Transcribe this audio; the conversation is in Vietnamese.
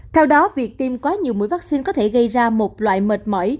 theo đó việc tiêm quá nhiều mũi vaccine có thể gây ra một loại mệt mỏi